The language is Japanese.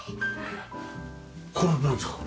これはなんですか？